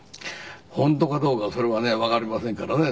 本当かどうかそれはねわかりませんからねそれは。